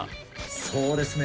そうですね